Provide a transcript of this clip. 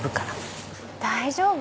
大丈夫？